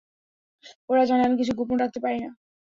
ওরা জানে, আমি কিছু গোপন রাখতে পারিনা।